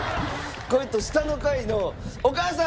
これと下の階の「お母さん！